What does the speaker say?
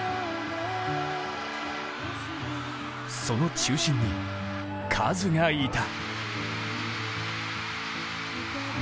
その中心にカズがいた。